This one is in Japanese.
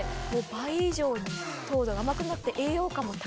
倍以上に糖度が甘くなって。